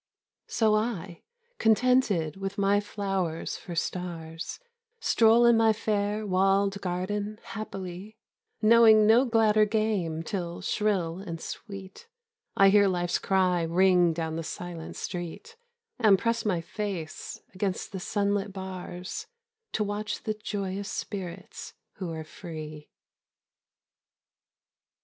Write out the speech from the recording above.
So I, contented with my flowers for stars, Stroll in my fair, walled garden happily, Knowing no gladder game till, shrill and sweet, I hear life's cry ring down the silent street, And press my face against the sunlit bars To watch the joyous spirits who are free.